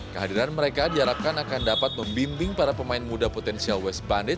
kehadiran mereka diharapkan akan dapat membimbing para pemain muda potensial west bandit